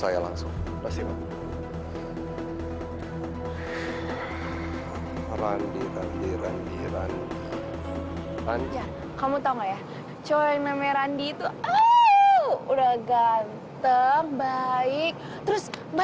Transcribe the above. yang pertama kak krista